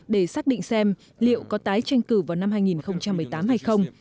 để xác định xem liệu có tái tranh cử vào năm hai nghìn một mươi tám hay không